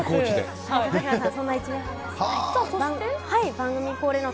番組恒例の。